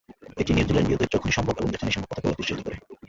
এটি নিউজিল্যান্ডীয়দের যখনই সম্ভব এবং যেখানেই সম্ভব পতাকা উড়াতে উৎসাহিত করে।